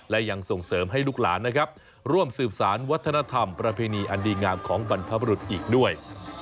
และยังส่งเสริมให้ลูกหลานนะครับร่วมสืบสารวัฒนธรรมประเพณีอันดีงามของบรรพบรุษอีกด้วย